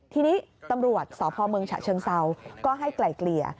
ทีนี้ตำรวจสพเมืองฉะเชิงเซาก็ให้ไกลเกลี่ย